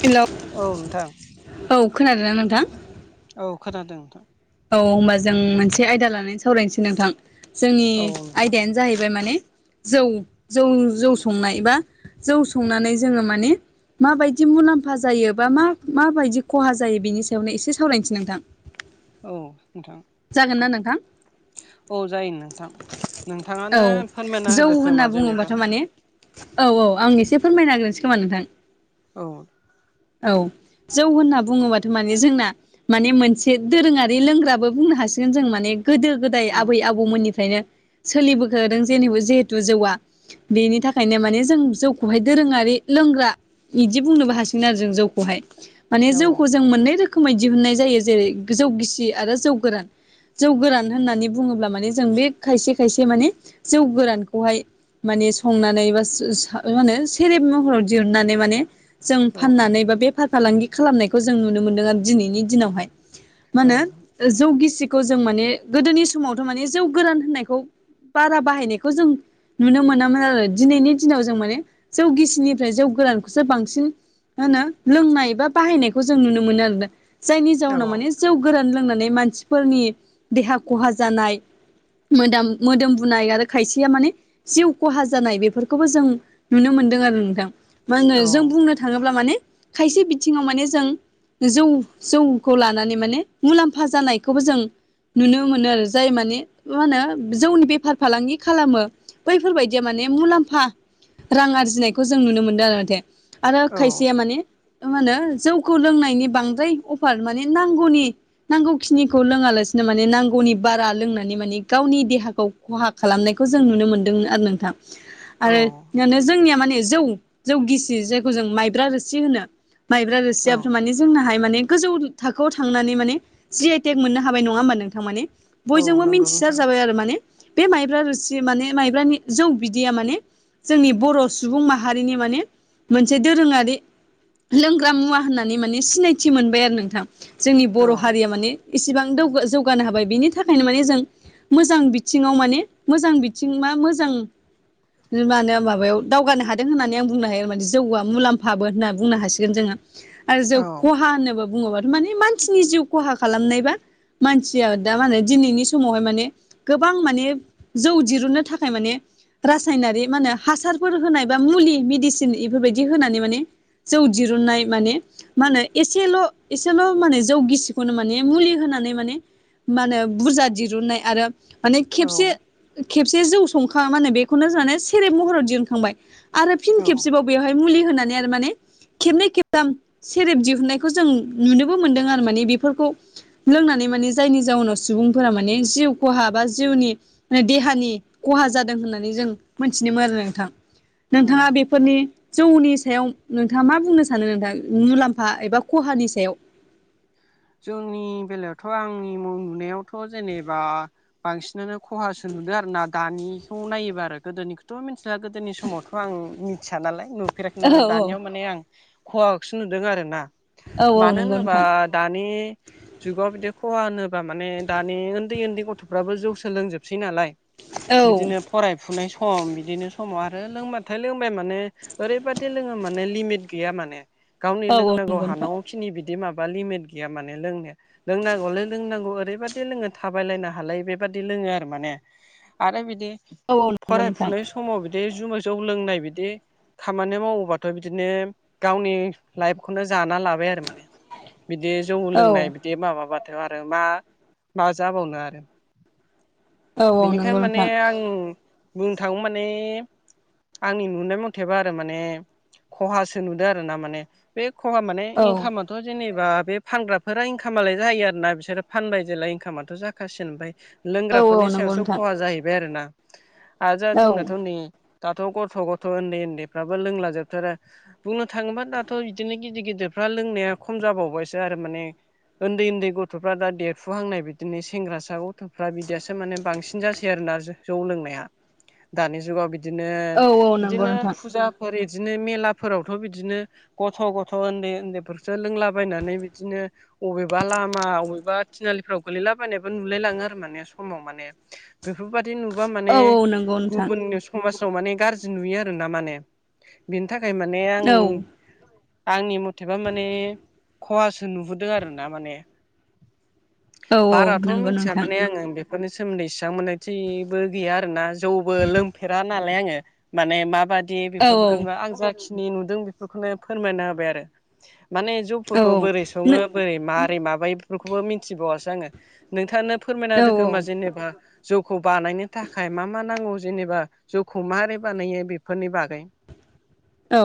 हेल' औ नोंथां नोंथां औ खोनादों नोंथां औ होनबा जों मोनसे आयदा लानानै सावरायनोसै नोंथां जोंनि औ आयदायानो जाहैबाय माने जौ जौ जौ संनाय बा जौ संनानै जोङो माने माबायदि मुलाम्फा जायो बा मा माबायदि खहा जायो बेनि सायावनो एसे सावरायनोसै नोंथां औ नोंथां जागोन ना नोंथां औ जायो नोंथां औ नोंथाङानो फोरमायना जौ होदो होनना खोमा जेनेबा बुङोबाथ' माने औ औ आं एसे फोरमायना हग्रोसै खोमा नोंथां। औ औ जौ होनना बुङोबाथ' माने जोंना माने मोनसे दोरोङारि लोंग्राबो बुंनो हासिगोन जों माने गोदो गोदाय आबै औ आबौमोननिफ्रायनो सोलिबोखादों जेनेब जिहेथु जौआ बेनि थाखायनो माने जों जौखौहाय दोरोङारि लोंग्रा बिदि बुंनोबो हासो जों जौखौहाय माने जों जों मोननै रोखोमै दिहुननाय जायो जेरै जौ गिसि आरो जौ गोरान जौ गोरान होननानै बुङोब्ला माने जों बे खायसे खायसे माने जौ गोरानखौहाय माने संनानै बा मा होनो सेरेब महराव दिहुननानै माने जों औ फाननानै बा बेफार फालांगि खालामनायखौ जों नुनो मोनदों आरो दिनैनि दिनावहाय मा औ होनो ओ जौ गिसिखौ जों माने गोदोनि समावथ' माने जौ गोरान होननायखौ बारा बाहायनायखौ जों नुनो मोनामोन आरो दिनैनि दिनाव जों माने जौ गिसिनिफ्राय जौ गोरानखौसो बांसिन होनो लोंनाय बा बाहायनायखौ जों नुनो मोनो आरोना जायनि जाउनाव माने खासेयाव गोरान लोंनानै मानसिफोरनि देहा खहा जानाय मोदोम मोदोम बुनाय आरो खायसेया माने जिउ खहा जानाय बेफोरखौबो जों नुनो मोनदों आरो नोंथां मा होनो जों बुंनो थाखाय थाङोब्ला माने खायसे बिथिङाव माने जों जौ जौखौ लानानै माने मुलाम्फा जानायखौबो जों नुनो मोनो आरो जाय माने मा होनो जौनि बेफार फालांगि खालामो बैफोरबायदिया माने मुलाम्फा रां आरजिनायखौ जों नुनो मोनदों आरो माथे आरो औ खायसेया माने मा होनो जौखौ लोंनायनि बांद्राय अफार माने नांगौनि नांगौखिनिखौ लोङालासिनो माने नांगौनि बारा लोंनानै माने गावनि देहाखौ खहा खालामनायखौ जों नुनो मोन्दोंमोन आरो नोंथां आरो जोंनिया माने जौ जौ गिसि जों जों मायब्रा रोसि होनो मायब्रा औ रोसियाबो माने जोंनाहाय माने गोजौ थाखोआव थांनानै माने जि आइ टेक मोननो हाबाय नङा होमबा नोंथां माने औ बयजोंबो नंगौ मिथिसार नोंथां जाबाय आरो माने बे माइब्रा रुसि माने माइब्रानि जौ बिदिया माने जोंनि बर' सुबुं माहारिनि माने मोनसे दोरोङारि लोंग्रा मुवा होननानै माने सिनायथि मोनबाय आरो नोंथां जोंनि औ बर' हारिया माने इसेबां जौगानो हाबाय बिनि थाखायनो माने जों मोजां बिथिङाव माने मोजां बिथिं मा मोजां बि मान होन माबायाव दावगानो हादों होननानै आं बुंनो हायो मोनसे जौ मुलाम्फोबो होनना बुंनो हासिगोन जोङो आरो जौ औ खहा होनोबा बुङोबा माने मानसिनि जिउ खहा खालामनायबा मानसिया दा माने दिनैनि समावहाय माने गोबां माने जौ दिरुननो थाखाय माने रासायनारि मान होने हासारफोर होनाय बा मुलि मेडिसिन बेफोरबायदि होनानै माने जों दिरुननाय माने मा होनो एसेल' एसेल' माने जौगिसिखौनो माने मुलि होनानै माने मा होनो बुरजा दिरुननाय आरो माने औ खेबसे खेबसे जौ संखा मा होनो बेखौनो जोंने सेरेब महराव दिुनखांबाय आरो फिन औ खेबसेबाव बेवहाय मुलि होनानै आरो माने खेबनै खेबथाम सेरेब दिहुनायखौ जों नुनोबो मोनदों आरो माने बेफोरखौ लोंनानै माने जायनि जाउनाव सुबुंफोरा माने जिउ खहा बा जिउनि देहानि खहा जादों होननानै जों मोनथिनोमोन आरो नोंथां औ नोंथाङा बे फोरनि जौनि सायाव नोंथाङा मा बुंनो सानो नोंथाङा मुलाम्फा एबा खहानि सायाव जोंनि बेलायावथ' आंनि नुनायावथ' जेनेबा बांसिनानो खहासो नुदो आरो ना दानिखौ नायोबा आरो गोदोनि थ मिन्थिला गोदोनि समावथ आं मिथिया नालाय नुफेराखै औ नालाय औ दानियाव माने आं खहाखौसो नुदों आरो ना औ औ मानो नंगौ होनोबा नोंथां दानि जुगाव बिदि खहा होनोब्ला माने दानि उन्दै उन्दै गथ'फ्राबो जौ सोलोंजोबसै नालाय औ बिदिनो फरायफुनाय सम बिदिनो समाव आरो लोंबाथाय लोंबाय माने ओरैबादि लोङो माने लिमिट गैया माने गावनि औ औ लोंनांगौ नंगौ नोंथां हानांगौखिनि बिदि माबा लिमिट गैया माने लोंनाया लोंनांगौलै लोंनांगौ ओरैबायदि लोङो थाबायलायनो हालायै बेबादि लोङो आरो माने आरो बिदि औ औ नंगौ नोंथां फरायफुनाय समाव बिदि जुमाय जौ लोंनाय बिदि खामानि मावोबाथ बिदिनो गावनि लाइफखौनो जाना लाबाय आरो माने बिदि जौ औ लोंनाय बिदि माबाबाथ आरो मा मा जाबावनो आरो औ औ नंगौ बेनिखायनो माने नोंथां आं बुंनो थाङो माने आंनि नुनाय मथेबा आरो माने खहासो नुदों आरो ना माने बे खहा माने औ इनकामथ जेनेबा बे फानग्राफोरा इनकामालाय जायो आरो ना बिसोरो फानबाय जेला इनकामाथ जाखासिनो ओमफ्राय औ औ लोंग्राफोरनि नंगौ सायावसो नोंथां खहा जाहैबाय आरोना आरो आरो दा औ जोंनाथ नै दाथ गथ' गथ' उन्दै उन्दैफ्राबो लोंला जोबथारो बुंनो थाङोबा दाथ बिदिनो गिदिर गिदिरफ्रा लोंनाया खम जाबावबायसो आरो माने उन्दै उन्दै गथ'फ्रा दा देरफुहांनाय बिदिनो सेंग्रासा ग थ'फ्रा बिदियासो माने बांसिन जासै आरोना जौ लोंनाया दानि जुगाव बि बिदिनो औ औ नंगौ बिदिनो नोंथां फुजा फोर बिदिनो मेलाफोरावथ बिदिनो गथ' गथ' उन्दै उन्दैफोरसो लोंलाबायनानै बिदिनो अबेबा लामा अबेबा थिनालिफ्राव गोलैलाबायनायबो नुलायलाङो आरो माने समाव माने बेफोरबायादि नुबा माने औ औ नंगौ नोंथां गुबुननि समाजाव माने गाज्रि नुयो आर ना माने बिनि थाखाय माने आं औ आंनि मथेबा माने खहासो नुहुरदों आरोना माने औ औ बाराथ नंगौ मिथिया नोंथां माने आङो बे फोरनि सोमोन्दै सिबां मोननाय थबो गैया आरोना जौबो लोंफेरा नालाय आङो माने माबादि औ बेफोरखौ दा आं जाखिनि नि नुदों बेफोरखौनो फोरमायना होबाय आरो माने जौफोरखौ बोरै सङो औ बोरै मारै माबायो बेफोरखौबो मिथिबावासै आङो नोंथांनो फोरमायना औ औ होदो औ खोमा जेनेबा जौखौ बानायनो थाखाय मा मा नांगौ जेनेबा जौखौ मारोरै बानायो बेफोरनि बागै औ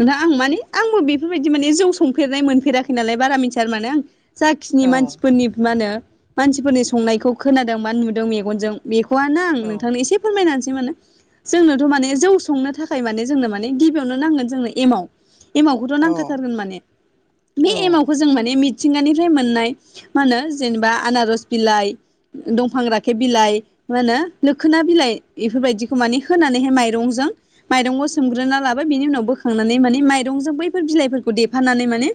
नोंथां आं माने आंबो बेफोरबायदि माने जौ संफेरनाय मोनफेराखै नालाय बारा मिथिया आरो माने आं जाखिनि औ मानसिफोरनि माहोनो मानसिफोरनि संनायखौ खोनादों बा नुदों मेगनजों बेखौनो आं औ नोंथांनो एसे फोरमायनानैसै माने जोंनोथ माने जौ संनो थाखाय माने जोंनो माने गिबियावनो नांगोन जोंनो एमाव एमावखौथ औ नांखाथारगोन माने बे औ एमावखौ जों माने मि थिंगानिफ्राय मोननाय मा होनो जेनेबा आनारस बिलाइ दंफां रा खेब बिलाइ मा होनो लोखोना बिलाइ बेफोरबायदिखौ माने होनानैहाय माइरंजों माइरंखौ सोमग्रोना लाबाय बिनि उनाव बोखांनानै माने माइरंजों बैफोर बिलाइफोरखौ देफानानै माने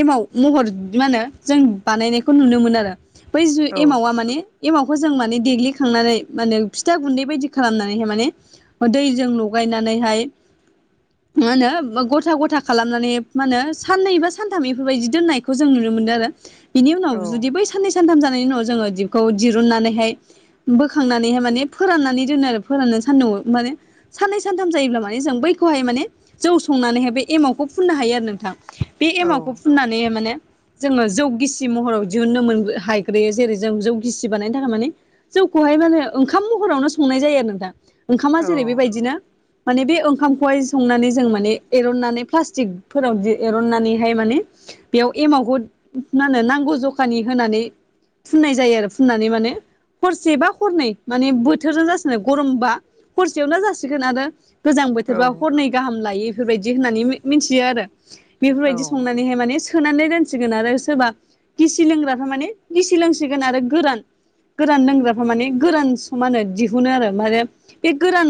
एमाव महर मा होनो जों बानायनायखौ नुनो मोनो आरो बैु जु औ एमावा माने एमावखौ जों माने देग्लिखांनानै माने फिथा गुन्दै बायदि खालामनानैहाय माने दैजों लगायनानैहाय मा होनो गथा गथा खालामनानै मा होनो साननै बा सानथाम बेफोरबायदि दोननायखौ जों नुनो मोनदों आरो बिनि औ उनाव जुदि बै साननै सानथाम जानायनि उनाव जोङो दिपखौ दिरुननानैहाय बोखांनानैहाय माने फोराननानै दोनो आरो फोराननानै सानदुंआव माने साननै सानथाम जायोब्ला माने जों बैखौहाय माने जौ संनानैहाय बे एमावखौ फुननो हायो आरो नोंथां बे औ एमावखौ फुननानै माने जोङो जौ गिसि महराव दिहुनो मोन हाग्रोयो जेरै जों जौ गिसि बानायनो थाखाय माने जौखौहाय माने ओंखाम महरावनो संनाय जायो आरो न दा ओंखामा जेरै बेबायदिनो माने बे ओंखामखौहाय संनानै जों माने एरननानै प्लास्टिकफोराव एरननानैहाय माने बेयाव एमावखौ मा होनो नांगौ जखानि होनानै फुननाय जायो आरो फुननानै माने हरसेबा हरनै माने बोथोरजों जासिगनो गरमबा हरसेयावनो जासिगोन आरो गोजां बोथोरबा औ हरनै गाहाम लायो बेफोरबायदि होननानै मिथियो आरो औ बेफोरबायदि संनानैहाय माने सोनानै दानसिगोन आरो सोरबा गिसि लोंग्रा थ माने गिसि लोंसिगोन आरो गोरान गोरान लोंग्राफ्रा माने गोरान समानो दिहुनो आरो माने बे गोरान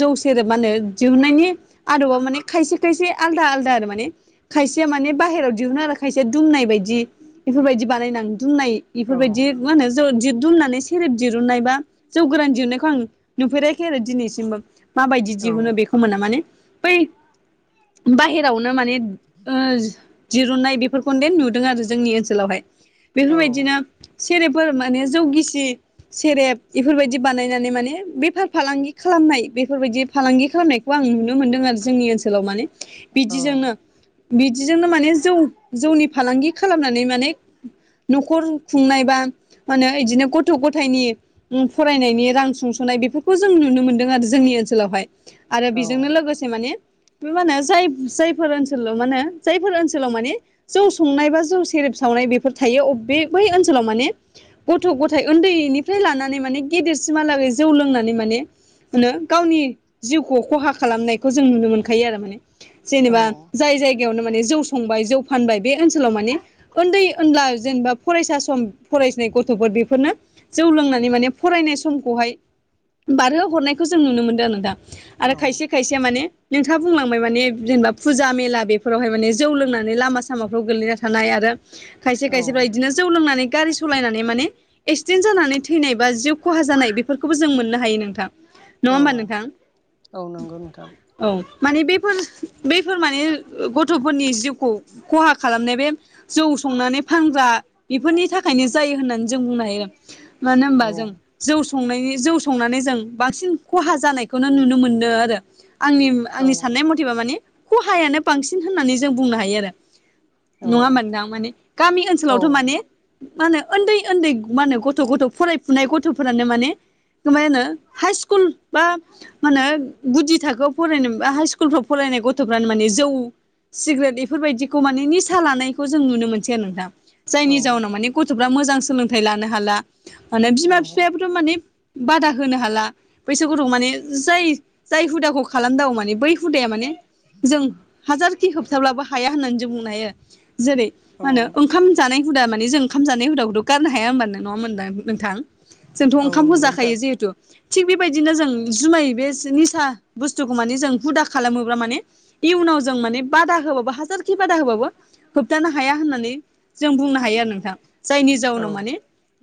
जौ मा होनो जहनायनि आदबाव माने खायसे खायसे आलदा आलदा आरो माने खायसेया माने बाहेरायाव दिहुनो आरो खायसेया दुमनाय बायदि बेफोरबायदि बानायनानै दुमनाय बेफोरबायदि मा होनो ज दुमनानै सेरेब दिरुननाय बा जौ गोरान दिहुननायखौ आं नुफेराखाखै आरो दिनैसिमबो माबायदि औ दिहुनो औ बेखौ मोना माने बै बाहेरावनो माने ओ [inaudible] दिरुननाय बेफोरखौनो नुदों आरो जोंनि ओनसोलावहाय औ बेफोरबायदिनो सेरेफोर माने जौगिसि सेरेप बेफोरबायदि बानायनानै माने बेफार फालांगि खालामनाय बेफोरबायदि फालांगि खालामनायखौ आं नुनो मोनदों आरो जोंनि ओनसोलाव माने औ बिदिजोंनो बिदिजोंनो माने जौ जौनि फालांगि खालामनानै माने न'खर खुंनाय बा मा होनो बिदिनो गथ' गथायनि फरायनायनि रां सुंस'नाय बेफोरखौ जों नुनो मोनदों आरो जोंनि ओनसोलावहाय आरो बेजोंनो औ लोगोसे माने बे मा होनो जाय जायफोर ओनसोलाव मा होनो जायफोर ओनसोलाव माने जों संनाय बा जों सेरेब सावनाय बेफोर थायो अबे बै ओनसोलाव माने गथ' गथाय उन्दैनिफ्राय लानानै माने गेदेरसिमहालागै जौ लोंनानै माने मो गावनि जिउखौ खहा खालामनायखौ जों नुनो मोनखायो आरो माने जेनेबा जाय जायगायावनो माने जौ संबाय जौ फानबाय बे ओनसोलाव माने उन्दै उनला जेनेबा फरायसा सम फरायसनाय गथ'फोर बेफोरनो जौ लोंनानै माने फरायनाय समखौहाय बारहो हरनायखौ जों नुनो मोनदों दा औ आरो खायसे खायसेया माने नोंथाङा बुंलांबाय माने जेनेबा फुजा मेला बेफोरावहाय माने जौ लोंनानै लामा सामाफ्राव गोल्लैना थानाय आरो खायसे खायसेफ्रा औ इदिनो जौ लोंनानै गारि सालायनानै माने एक्सिडेन्ट जानानै थैनाय बा जिउ खहा जानाय बेफोरखौबो जों मोननो हायो नोंथां नङा औ होमबा नोंथां औ नंगौ नोंथां औ माने बेफोर बफोर माने गथ'फोरनि जिउखौ खहा खालामनाय बे जौ संनानै फानग्रा बेफोरनि थाखायनो जायो होननानै जों बुंनो हायो मानो औ होनबा जों जौ संनायनि जौ संनानै जों बांसिन खहा जानायखौनो नुनो मोनदों आरो आंनि औ आंनि साननाय मथे बा माने खहायानो बांसिन होननानै जों बुंनो हायो आरो औ नङाामोनदां माने गामि औ ओनसोलावथ' माने मा होनो उन्दै उन्दै मा होनो गथ' गथ' फरायफुनाय गथ'फोरानो माने गोमायानो हाइ स्कुल बा मा होनो गुदि थाखोआव फरायनो बा हाइ स्कुलफ्राव फरायनाय गथ'फ्रानो माने जौ सिगारेट बेफोरबायदिखौ माने निसा लानायखौ जों नुनो मोनसै आरो नोंथां औ जायनि जाउनाव माने गथ'फ्रा मोजां सोलोंथाइ लानो हाला माने बिमा बिफाया थ' माने बादा होनो हाला बैसागुु माने जाय जाय हुदाखौ खालामदांग माने बै हुदाया माने जों हाजारखि होबथाब्लाबो हाया होननानै जों बुंनो हायो जेरै औ मा होनो ओंखाम जानाय हुदा मानिे जों ओंखाम जानाय हुदाखौथ' गारनो हाया होनोमबानो नङामोनदा नोंथां जोंथ' औ ओंखामखौ नंगौ नोंथां जाखायो जिहेथु थिग बेबायदिनो जों जुमाय बे निसा बुस्थुखौ माने जों हुदा खालामोब्ला माने इयुनाव जों माने बादा होबाबो हाजारखि बादा होबाबो होबथानो हाया होननानै जों बुंनो हायो आरो नोंथां जायनि औ जाउनाव माने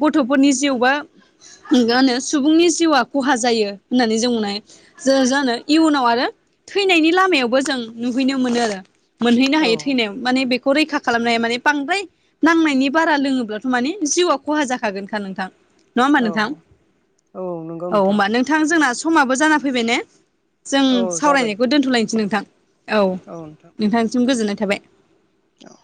गथ'फोरनि जिउ बा मा होनो सुबुंनि जिउआ खहा जायो होननानै जों बुंनो हायो जा जानो इयुनाव आरो थैनायनि लामायावबो जों नुहैनो मोनो आरो मोनहैनो औ हायो थैनायाव माने बेखौ रैखा खालामनाया माने बांद्राय नांनायनि बारा लोङोब्लाथ' माने जिउआ खहा जाखागोनखा नोंथां नङा होमबा औ नोंथां औ नों औ होमबा नोंथां जोंना समाबो जाना फैबाय ने जों औ जाबाय सावरायनायखौ दोन्थ'लायनोसै नोंथां औ औ नोंथांनिसिम गोजोननाय थाबाय औ